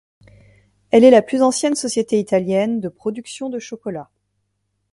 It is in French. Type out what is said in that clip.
Elle est la plus ancienne société italienne de production de chocolat.